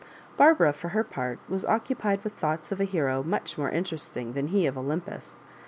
Barbara, for her part, was occupied with thoughts of a hero much more interesting than he of Olympus.